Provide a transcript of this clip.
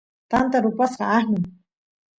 tanta rupasqa aqnan